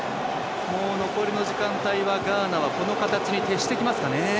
もう残りの時間帯はガーナはこの形に徹してきますかね。